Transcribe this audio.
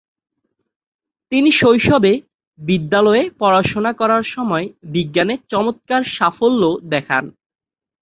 তিনি শৈশবে বিদ্যালয়ে পড়াশোনা করার সময় বিজ্ঞানে চমৎকার সাফল্য দেখান।